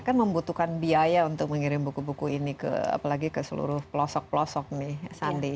kan membutuhkan biaya untuk mengirim buku buku ini apalagi ke seluruh pelosok pelosok nih sandi